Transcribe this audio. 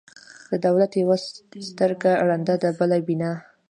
د دولت یوه سترګه ړنده ده، بله بینا.